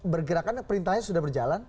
bergerakan perintahnya sudah berjalan